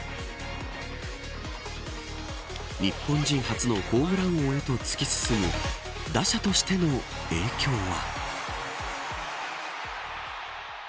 日本人初のホームラン王へと突き進む打者としての影響は。